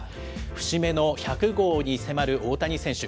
節目の１００号に迫る大谷選手。